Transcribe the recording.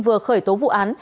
vừa khởi tố vụ án